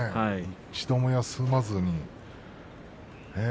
１つも休まずに。